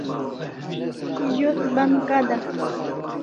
Zo't ban kada